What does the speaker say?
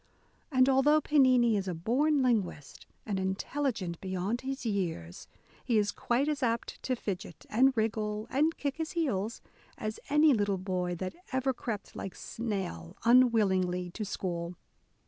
And although Pennini is a born linguist, and intelligent beyond his years, he is quite as apt to fidget, and wriggle, and kick his heels, as any little boy that ever crept like snail un willingly to school.